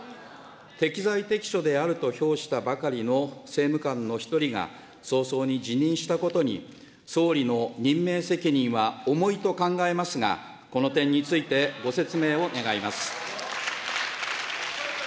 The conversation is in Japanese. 適材適所であると評したばかりの政務官の１人が、早々に辞任したことに総理の任命責任は重いと考えますが、この点について、ご説明を願います。